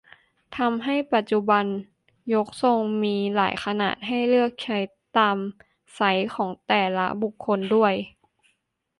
ทำให้ปัจจุบันยกทรงก็มีหลายขนาดให้เลือกใช้ตามแต่ไซซ์ของแต่ละบุคคลด้วย